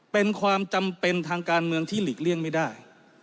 เป็นความจำเป็นทางการเมืองที่หลีกเลี่ยงไม่ได้